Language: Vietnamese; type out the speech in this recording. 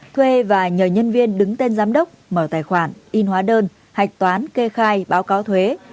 thuê và nhờ nhân viên đứng tên giám đốc mở tài khoản in hóa đơn hạch toán kê khai báo cáo thuế